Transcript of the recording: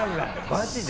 マジで？